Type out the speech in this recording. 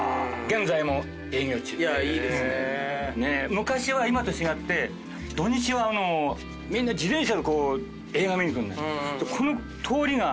昔は今と違って土日はみんな自転車で映画見に行くんだよ。